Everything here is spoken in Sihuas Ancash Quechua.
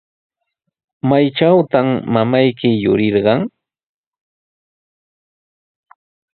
¿Maytrawtaq mamayki yurirqan?